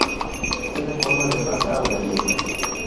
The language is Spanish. Tiene forma de pasta o galleta.